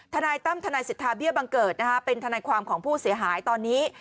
ทนายตั้มทนายสิทธาเบี้ยบังเกิดเป็นทนายความของผู้เสียหายตอนนี้